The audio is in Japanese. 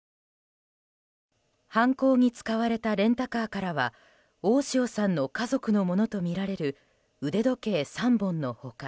犯行に使われたレンタカーからは大塩さんの家族のものとみられる腕時計３本の他